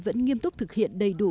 vẫn nghiêm túc thực hiện đầy đủ